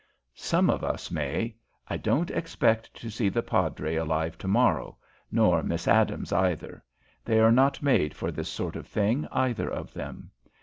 "Some of us may. I don't expect to see the padre alive to morrow, nor Miss Adams either. They are not made for this sort of thing, either of them.